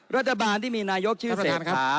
รัฐบาลที่มีนายกชื่อเสกครับ